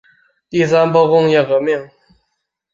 第三波工业革命